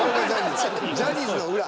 ジャニーズの裏。